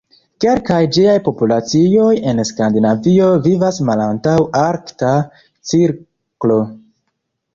Kelkaj ĝiaj populacioj en Skandinavio vivas malantaŭ arkta cirklo!